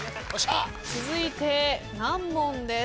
続いて難問です。